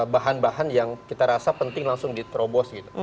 bahan bahan yang kita rasa penting langsung diterobos gitu